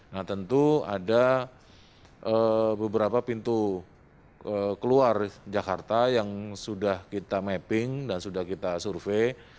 nah tentu ada beberapa pintu keluar jakarta yang sudah kita mapping dan sudah kita survei